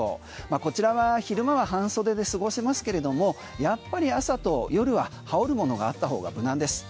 こちらは昼間は半袖で過ごせますけれどもやっぱり朝と夜は羽織るものがあった方が無難です。